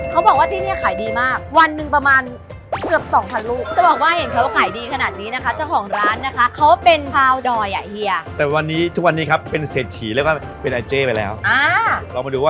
เค้าบอกว่าที่นี้ขายดีมากวันหนึ่งประมาณเกือบสองพันลูก